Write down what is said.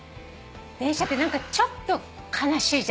電車って何かちょっと悲しいじゃない。